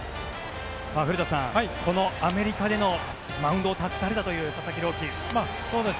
古田さん、このアメリカでのマウンドを託されたという佐々木朗希。